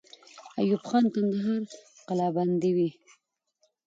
ایوب خان کندهار قلابندوي.